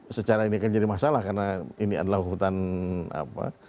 secara ini akan jadi masalah karena ini adalah hutan apa